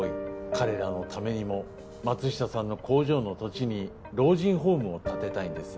彼らのためにも松下さんの工場の土地に老人ホームを建てたいんです。